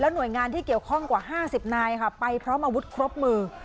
แล้วหน่วยงานที่เกี่ยวข้องกว่าห้าสิบนายค่ะไปพร้อมอวุฒิครบมือ